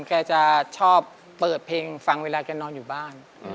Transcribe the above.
แกจะชอบเปิดเพลงฟังเวลาแกนอนอยู่บ้าน